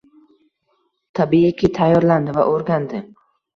Tabiiyki tayyorlandi va o’rgandi.